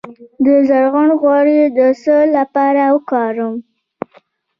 د زغر غوړي د څه لپاره وکاروم؟